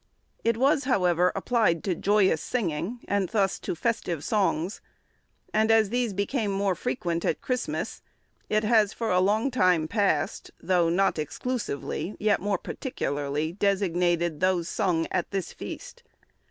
It was, however, applied to joyous singing, and thus to festive songs; and as these became more frequent at Christmas, it has for a long time past, though not exclusively yet more particularly, designated those sung at this feast.